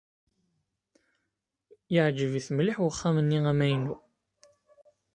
Yeɛjeb-it mliḥ wexxam-nni amaynu.